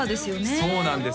そうなんです